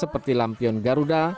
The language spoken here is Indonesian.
seperti lampion garuda